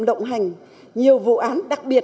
động hành nhiều vụ án đặc biệt